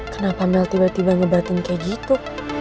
kenapa mel tiba tiba ngebatin kayak gitu